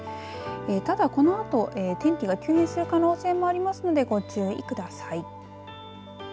ただこのあと天気が急変する可能性もありますのでご注意ください。